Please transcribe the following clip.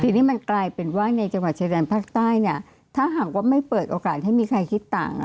ทีนี้มันกลายเป็นว่าในจังหวัดชายแดนภาคใต้เนี่ยถ้าหากว่าไม่เปิดโอกาสให้มีใครคิดต่าง